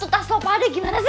itu tas lo pada gimana sih